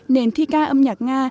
nền thi ca âm nhạc nga